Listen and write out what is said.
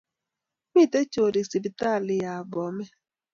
Miteb chorik sipitali ab Bomet